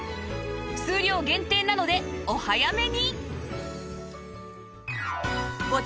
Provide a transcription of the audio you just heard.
数量限定なのでお早めに！